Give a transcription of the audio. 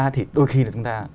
thì đôi khi là chúng ta